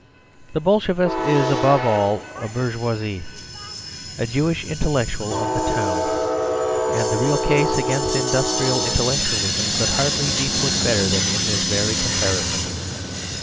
The Bolshevist is above all a bourgeois; a Jewish intellectual of the town. And the real case against industrial intellectualism could hardly be put better than in this very comparison.